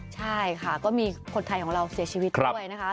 ใช่ค่ะก็มีคนไทยของเราเสียชีวิตด้วยนะคะ